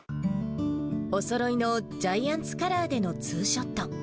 おそろいのジャイアンツカラーでの２ショット。